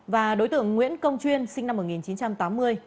và đối tượng nguyễn công chuyên sinh năm một nghìn chín trăm tám mươi